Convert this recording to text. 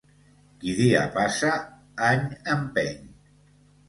Qui dia passa, any empeny